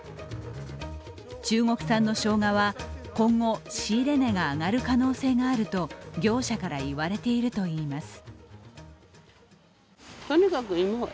中国産のしょうがは今後、仕入れ値が上がる可能性があると業者から言われているといいます。